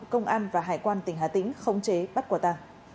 công an và hải quan tỉnh hà tĩnh khống chế bắt quả tàng